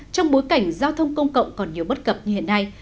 trong bối cảnh giao thông công cộng còn nhiều bất cập như hiện nay